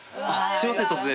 すみません突然。